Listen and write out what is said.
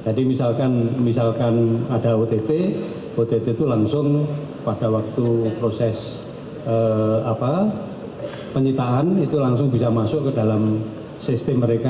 jadi misalkan ada ott ott itu langsung pada waktu proses penyitaan itu langsung bisa masuk ke dalam sistem mereka